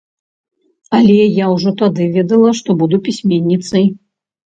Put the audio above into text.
Але я ўжо тады ведала, што буду пісьменніцай.